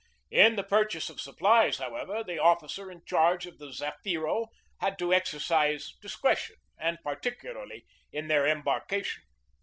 In the purchase of supplies, however, the officer in charge of the Zafiro had to exercise discretion, and particularly in their embarkation.